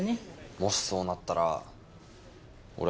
もしそうなったら俺。